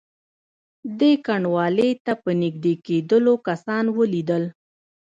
دې کنډوالې ته په نږدې کېدلو کسان ولیدل.